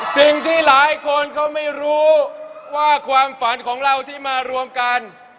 สิ่งที่หลายคนเขาไม่รู้ว่าความฝันของเราที่มารวมกัน